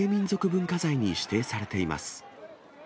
文化財に指定されています。